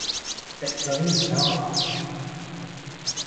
直女唔想我暗戀佢